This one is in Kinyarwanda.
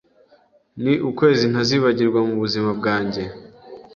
ni ukwezi ntazibagirwa mu buzima bwanjye